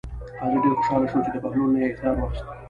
قاضي ډېر خوشحاله شو چې د بهلول نه یې اقرار واخیست.